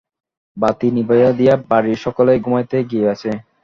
বাতি নিবাইয়া দিয়া বাড়ির সকলেই ঘুমাইতে গিয়াছে।